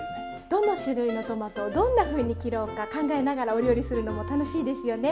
どの種類のトマトをどんなふうに切ろうか考えながらお料理するのも楽しいですよね。